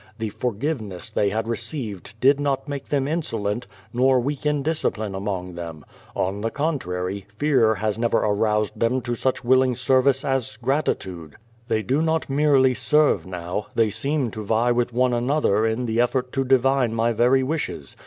The forgiveness they had received did not make them insolent, nor weaken discipline among them. On the contrary^ fear has never aroused them to such willing 226 Q^^ VADI8, semcc as gratitude. They do not merely serve now, they seem to vie with one another in the effort to divine my very wishes.